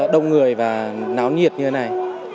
đông người và náo nhiệt như thế này